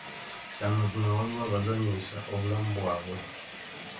Kya mazima waliwo abazanyisa obulamu bwabwe.